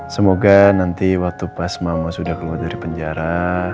semoga nanti waktu pas mama sudah keluar dari penjara